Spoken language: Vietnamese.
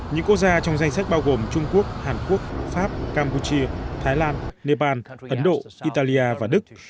những quốc gia trong danh sách bao gồm trung quốc hàn quốc pháp campuchia thái lan nepal ấn độ italia và đức